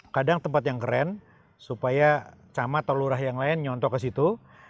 kadang tempat yang keren supaya camat atau lurah yang lain nyontoh ke situ